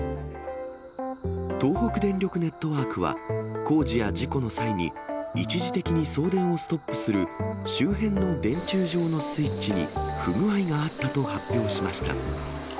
東北電力ネットワークは、工事や事故の際に、一時的に送電をストップする周辺の電柱上のスイッチに不具合があったと発表しました。